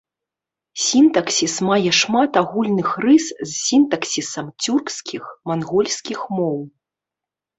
Сінтаксіс мае шмат агульных рыс з сінтаксісам цюркскіх, мангольскіх моў.